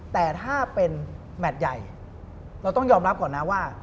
แต่ถ้าเป็นแมทใหญ่เราต้องยอมรับก่อนนะว่า